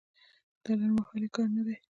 دا لنډمهالی کار نه دی.